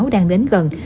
đang đến gần